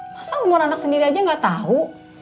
masa umur anak sendiri aja nggak tahu